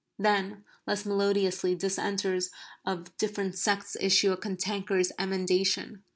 Then, less melodiously, dissenters of different sects issue a cantankerous emendation.